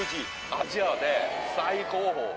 アジアで最高峰。